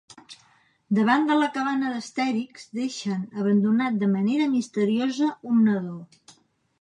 Davant de la cabana d'Astèrix deixen abandonat de manera misteriosa un nadó.